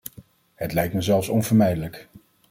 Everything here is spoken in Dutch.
Het lijkt me zelfs onvermijdelijk.